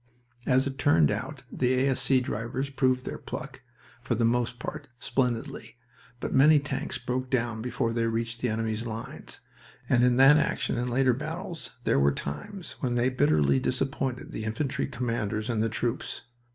As it turned out, the A.S.C. drivers proved their pluck, for the most part, splendidly, but many tanks broke down before they reached the enemy's lines, and in that action and later battles there were times when they bitterly disappointed the infantry commanders and the troops.